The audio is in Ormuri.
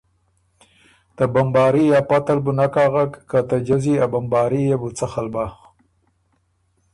ته بمباري ا پته ل بُو نک اغک که ته جزی ا بمباري يې بُو څخل بۀ۔